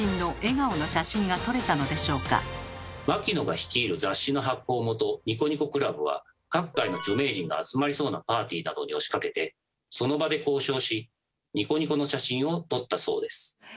牧野が率いる各界の著名人が集まりそうなパーティーなどに押しかけてその場で交渉し「ニコニコ」の写真を撮ったそうです。